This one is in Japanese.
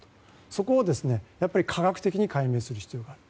そこを、やっぱり科学的に解明する必要がある。